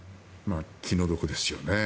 気の毒ですよね。